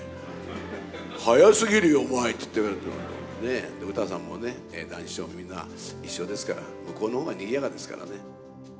早すぎるよ、お前って言って、ねぇ、歌さんもね、談志師匠もみんな一緒ですから、向こうのほうがにぎやかですからね。